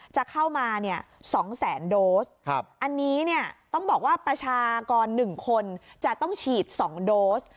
จะเข้ามา๒แสนโดสอันนี้เนี่ยต้องบอกว่าประชากร๑คนจะต้องฉีด๒โดส